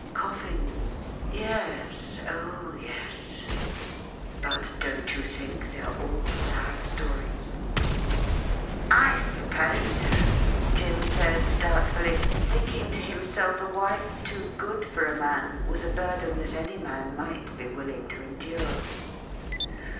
' Coffin's ? Yes, oh yes ! But don't you think they all are sad stories ?' I suppose so,' Jim said doubtfully, thinking to himself a wife too good for a man was a burden that any man might be willing to endure.